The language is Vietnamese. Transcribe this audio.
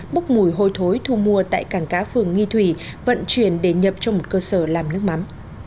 bốc mùi hôi thối thu mua tại cảng cá phường nghi thủy vận chuyển để nhập cho một cơ sở làm nước mắm